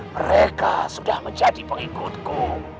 mereka sudah menjadi pengikutku